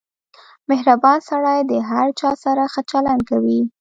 • مهربان سړی د هر چا سره ښه چلند کوي.